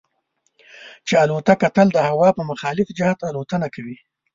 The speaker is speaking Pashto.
چې الوتکه تل د هوا په مخالف جهت الوتنه کوي.